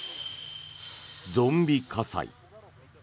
ゾンビ火災。